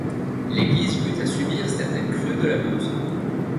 L'église eut à subir certaines crues de la Meuse.